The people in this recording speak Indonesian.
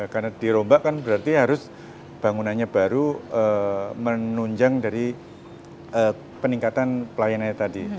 karena dirombak kan berarti harus bangunannya baru menunjang dari peningkatan pelayanannya tadi